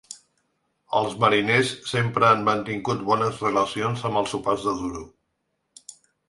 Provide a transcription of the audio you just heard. Els mariners sempre han mantingut bones relacions amb els sopars de duro.